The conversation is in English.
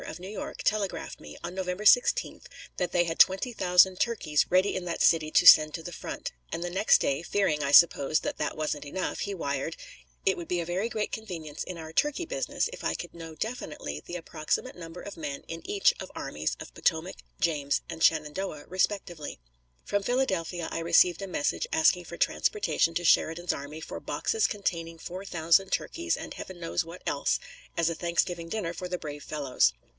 of New York, telegraphed me, on November 16th, that they had twenty thousand turkeys ready in that city to send to the front; and the next day, fearing, I suppose, that that wasn't enough, he wired: "It would be a very great convenience in our turkey business if I could know definitely the approximate number of men in each of armies of Potomac, James, and Shenandoah, respectively." From Philadelphia I received a message asking for transportation to Sheridan's army for "boxes containing four thousand turkeys, and Heaven knows what else, as a Thanksgiving dinner for the brave fellows."